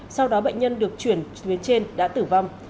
sau đó bệnh nhân được chuyển tuyến trên đã tử vong